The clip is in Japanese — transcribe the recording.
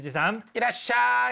いらっしゃい。